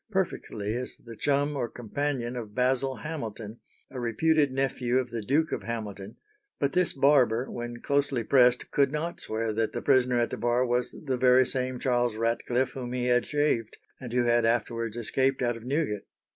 perfectly as the chum or companion of Basil Hamilton, a reputed nephew of the Duke of Hamilton; but this barber, when closely pressed, could not swear that the prisoner at the bar was the very same Charles Ratcliffe whom he had shaved, and who had afterwards escaped out of Newgate.